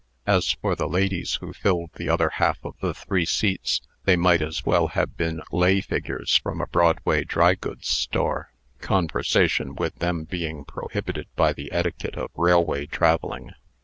As for the ladies who filled the other half of the three seats, they might as well have been lay figures from a Broadway drygoods store; conversation with them being prohibited by the etiquette of railway travelling.